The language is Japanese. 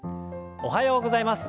おはようございます。